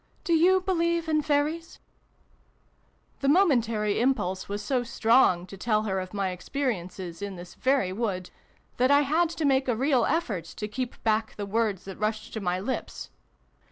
" Do you believe in Fairies ?" The momentary impulse was so strong to tell her of my experiences in this very wood, that I had to make a real effort to keep back the words that rushed to my lips.